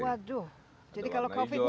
waduh jadi kalau covidnya